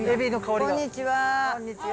こんにちは。